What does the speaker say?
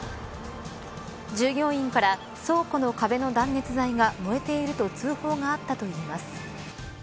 従業員から倉庫の壁の断熱材が燃えていると通報があったといいます。